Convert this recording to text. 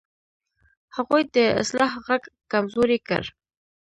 هغوی د اصلاح غږ کمزوری کړ.